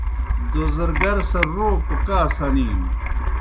دوزرگر سہ روپہ کا سنِینوْ۔